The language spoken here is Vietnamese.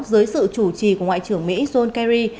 dưới sự chủ trì của ngoại trưởng mỹ john kerry